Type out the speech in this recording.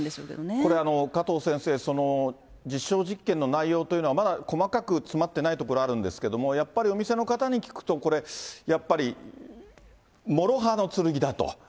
これ、加藤先生、その実証実験の内容というのはまだ細かく詰まってないところあるんですけれども、やっぱりお店の方に聞くと、これ、やっぱりもろ刃の剣だと。